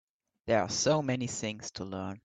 There are so many things to learn.